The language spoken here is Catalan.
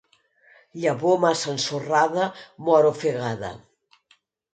Llavor massa ensorrada mor ofegada.